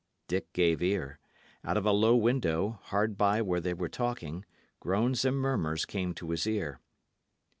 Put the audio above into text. Dick gave ear. Out of a low window, hard by where they were talking, groans and murmurs came to his ear.